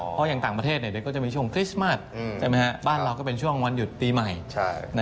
เพราะอย่างต่างประเทศเนี่ยก่อนจะมีช่วงขณิส์มาร์ทเจอไหมฮะบ้านเราก็เป็นวันหยุดตีใหม่ใช่